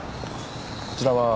こちらは？